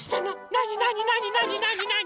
なになになになになになに？